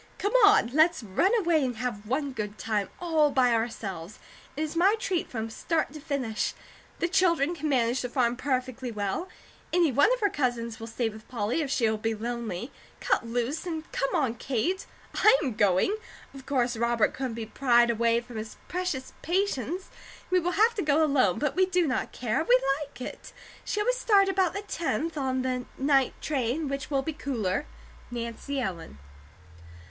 Come on! Let's run away and have one good time all by ourselves. It is my treat from start to finish. The children can manage the farm perfectly well. Any one of her cousins will stay with Polly, if she will be lonely. Cut loose and come on, Kate. I am going. Of course Robert couldn't be pried away from his precious patients; we will have to go alone; but we do not care. We like it. Shall we start about the tenth, on the night train, which will be cooler? NANCY ELLEN.